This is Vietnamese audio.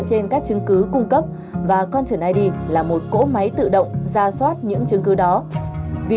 vào những chứng cứ cung cấp và con trở lại đi là một cỗ máy tự động ra soát những chứng cứ đó vì